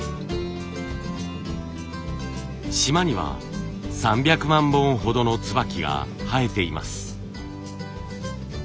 島には３００万本ほどの椿が生えています。